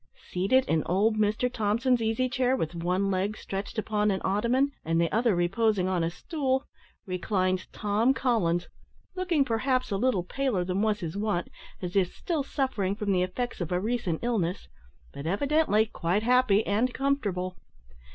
Seated in old Mr Thompson's easy chair, with one leg stretched upon an ottoman, and the other reposing on a stool, reclined Tom Collins, looking, perhaps, a little paler than was his wont, as if still suffering from the effects of recent illness, but evidently quite happy and comfortable.